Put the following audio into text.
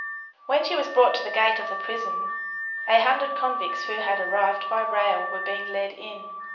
When she was brought to the gate of the prison, a hundred convicts who had arrived by rail were being led in.